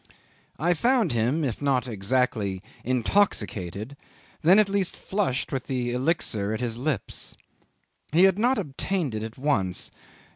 I found him, if not exactly intoxicated, then at least flushed with the elixir at his lips. He had not obtained it at once.